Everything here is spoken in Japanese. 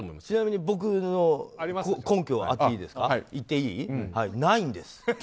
ちなみに僕の根拠は言っていいですか？